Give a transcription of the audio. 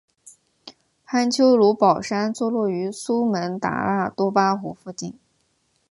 潘丘卢保山坐落于苏门答腊多巴湖附近。